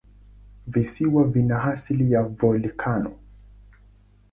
Visiwa vina asili ya volikano.